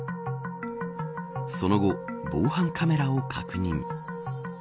その後、防犯カメラを確認。